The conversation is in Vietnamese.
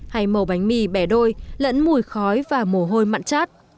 hay màu bánh mì bẻ đôi lẫn mùi khói và mồ hôi mặn chát